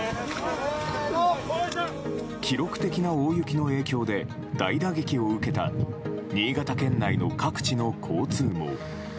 記録的な大雪の影響で大打撃を受けた新潟県内の各地の交通網。